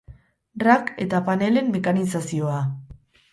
Rack eta panelen mekanizazioa.